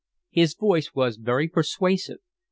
His voice was very persuasive.